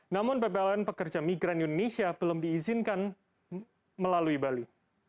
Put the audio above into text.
namun ppln pekerja migran indonesia belum diizinkan melalui bali